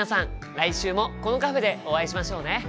来週もこのカフェでお会いしましょうね。